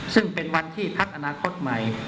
ซึ่งเป็นวันที่พักอนาคตใหม่